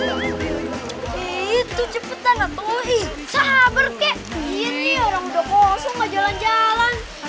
gini orang udah bosong gak jalan jalan